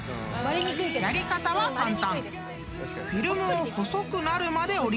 ［やり方は簡単］